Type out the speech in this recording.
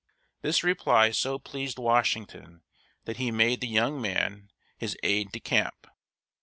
This reply so pleased Washington that he made the young man his aid de camp.